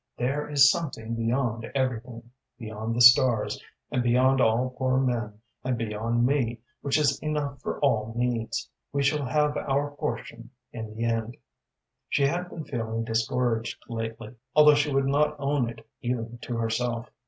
"There is something beyond everything, beyond the stars, and beyond all poor men, and beyond me, which is enough for all needs. We shall have our portion in the end." She had been feeling discouraged lately, although she would not own it even to herself.